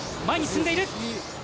前に進んでいる。